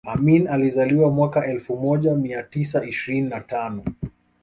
amini alizaliwa mwaka elfu moja mia tisa ishirini na tano